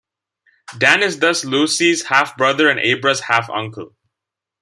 Dan is thus Lucy's half-brother and Abra's half-uncle.